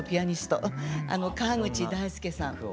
川口大輔さん。